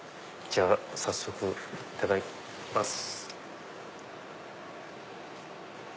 じゃあ早速いただきます。